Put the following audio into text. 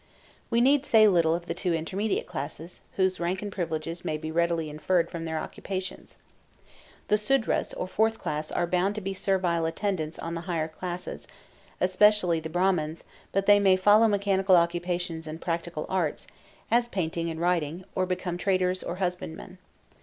We need say little of the two intermediate classes, whose rank and privileges may be readily inferred from their occupations. The Sudras or fourth class are bound to servile attendance on the higher classes, especially the Brahmans, but they may follow mechanical occupations and practical arts, as painting and writing, or become traders or husbandmen.